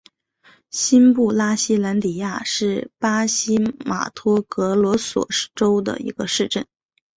新布拉西兰迪亚是巴西马托格罗索州的一个市镇。